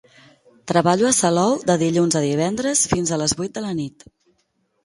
Treballo a Salou de dilluns a divendres fins a les vuit de la nit.